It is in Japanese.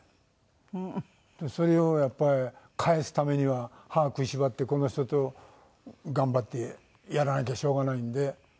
でそれをやっぱり返すためには歯を食いしばってこの人と頑張ってやらなきゃしょうがないんで。